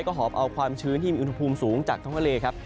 ก็หอบเอาความชื้นที่มีอุณหภูมิสูงจากท้องทะเลครับ